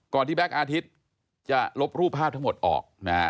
ก่อนที่แบล็กอาทิตย์จะลบรูปภาพทั้งหมดออก